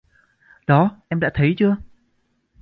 Đó em đã thấy chưa